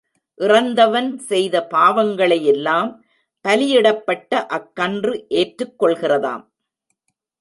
இறந்தவன் செய்த பாவங்களையெல்லாம், பலியிடப்பட்ட அக்கன்று ஏற்றுக் கொள்கிறதாம்.